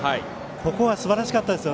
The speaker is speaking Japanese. ここはすばらしかった。